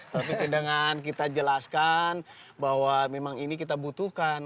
tapi dengan kita jelaskan bahwa memang ini kita butuhkan